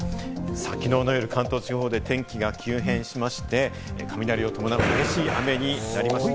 きのうの夜、関東地方で天気が急変しまして、雷を伴う激しい雨になりました。